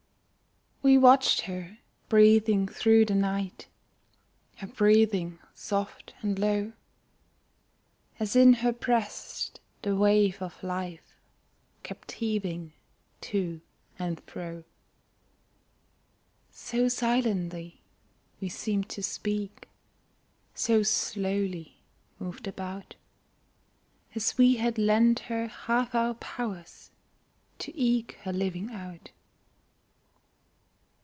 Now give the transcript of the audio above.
We watched her breathing through the night, Her breathing soft and low, As in her breast the wave of life Kept heaving to and fro. So silently we seemed to speak, So slowly moved about, As we had lent her half our powers To eke her living out.